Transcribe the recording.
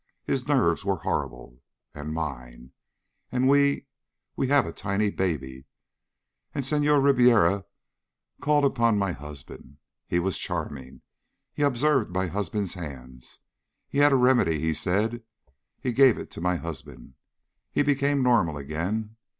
His nerves were horrible. And mine. And we we have a tiny baby.... And Senhor Ribiera called upon my husband. He was charming. He observed my husband's hands. He had a remedy, he said. He gave it to my husband. He became normal again.